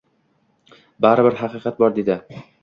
— Baribir... haqiqat bor! — dedi.